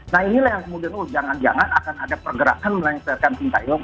nah inilah yang kemudian jangan jangan akan ada pergerakan melengsarkan sintayong